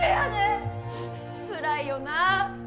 つらいよなあ。